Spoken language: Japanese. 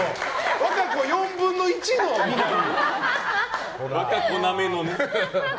和歌子４分の１のみな実。